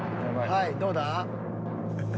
はいどうだ？